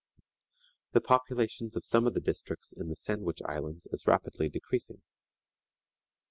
The population of some of the districts in the Sandwich Islands is rapidly decreasing.